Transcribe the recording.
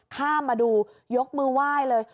ข้ามมาดูยกมือไหว้เลย